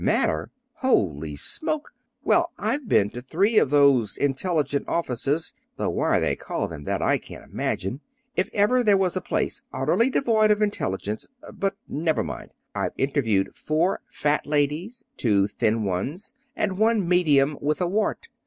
"Matter? Holy smoke! Well, I've been to three of those intelligence offices though why they call them that I can't imagine. If ever there was a place utterly devoid of intelligence but never mind! I've interviewed four fat ladies, two thin ones, and one medium with a wart.